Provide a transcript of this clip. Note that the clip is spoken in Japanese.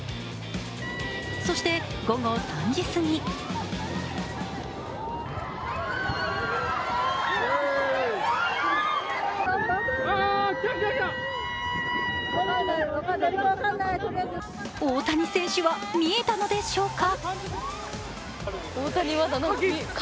そして、午後３時すぎ大谷選手は見えたのでしょうか。